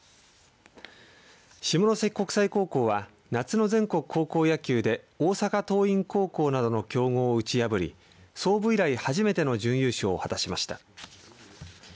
下関国際高校は夏の全国高校野球で大阪桐蔭高校などの強豪校を打ち破り創部以来、初めての準優勝を果たしました。